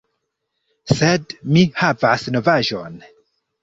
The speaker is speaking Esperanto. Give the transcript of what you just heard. ... Sed mi havas novaĵon